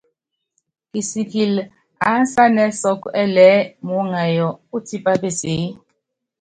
Kisikilɛ aánsanɛ́ sɔ́kɔ́ ɛɛlɛɛ́ muúŋayɔ́, pútipá peseé.